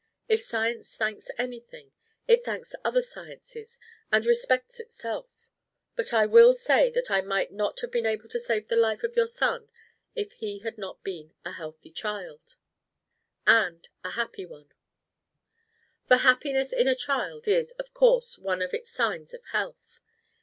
If science thanks anything, it thanks other sciences and respects itself. But I will say that I might not have been able to save the life of your son if he had not been a healthy child and a happy one; for happiness in a child is of course one of its signs of health.